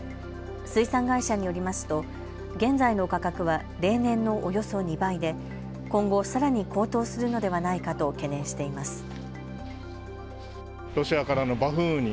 水産会社によりますと現在の価格は例年のおよそ２倍で今後、さらに高騰するのではないかと懸念しています。